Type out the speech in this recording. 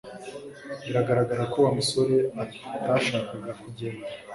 Biragaragara ko Wa musore atashakaga kugenda